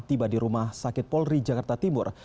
tiba di rumah sakit polri jakarta timur